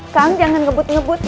kang jangan ngebut ngebut